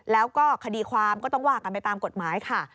แล้วก็คดีความก็ต้องว่ากันไปตามกฎหมายค่ะ